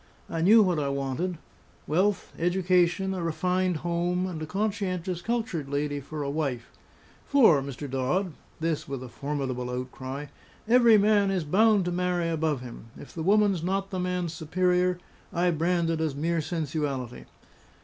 I knew what I wanted wealth, education, a refined home, and a conscientious, cultured lady for a wife; for, Mr. Dodd" this with a formidable outcry "every man is bound to marry above him: if the woman's not the man's superior, I brand it as mere sensuality.